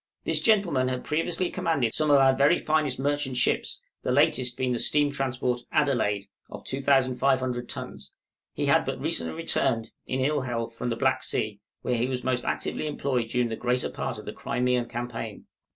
This gentleman had previously commanded some of our very finest merchant ships, the latest being the steam transport 'Adelaide' of 2500 tons: he had but recently returned, in ill health, from the Black Sea, where he was most actively employed during the greater part of the Crimean campaign.